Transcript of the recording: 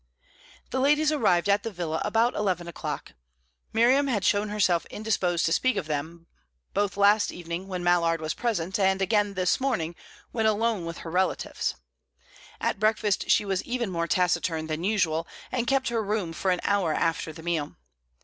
The ladies arrived at the villa about eleven o'clock. Miriam had shown herself indisposed to speak of them, both last evening, when Mallard was present, and again this morning when alone with her relatives; at breakfast she was even more taciturn than usual, and kept her room for an hour after the meal.